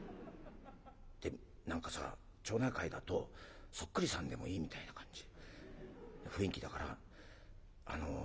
で何かさ町内会だとそっくりさんでもいいみたいな感じな雰囲気だから俺もいろいろ考えたんだ。